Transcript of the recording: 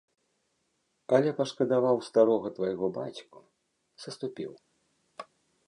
Але пашкадаваў старога твайго бацьку, саступіў.